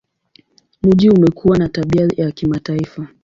Mji umekuwa na tabia ya kimataifa.